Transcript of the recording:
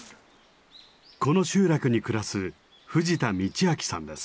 この集落に暮らす藤田道明さんです。